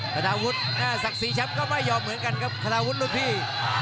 ฆาตาวุฒิหน้าศักดิ์ศรีช้ำก็ไม่ยอมเหมือนกันครับฆาตาวุฒิรุ่นพี่